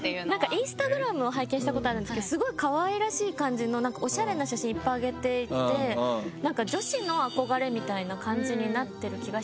Ｉｎｓｔａｇｒａｍを拝見したことあるんですけどスゴいかわいらしい感じのおしゃれな写真いっぱい上げていて女子の憧れみたいな感じになってる気がしたんで。